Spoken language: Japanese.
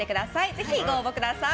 ぜひご応募ください。